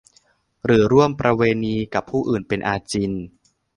หรือร่วมประเวณีกับผู้อื่นเป็นอาจิณ